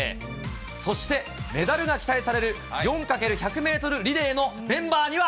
そして、メダルが期待される４×１００メートルリレーのメンバーには。